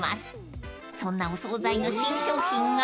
［そんなお総菜の新商品が］